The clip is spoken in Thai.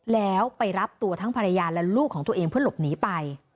แล้วไปรับตัวทั้งภรรยาและลูกของตัวเองเพื่อหลบหนีไป